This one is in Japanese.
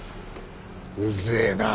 うぜえな。